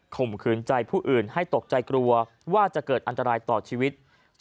ข่มขืนใจผู้อื่นให้ตกใจกลัวว่าจะเกิดอันตรายต่อชีวิต